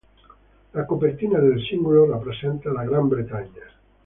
La copertina del singolo rappresenta la Gran Bretagna.